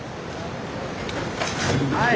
はい。